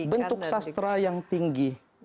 bentuk sastra yang tinggi